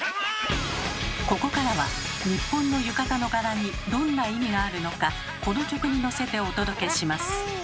ここからは日本の浴衣の柄にどんな意味があるのかこの曲にのせてお届けします。